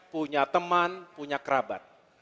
punya teman punya kerabat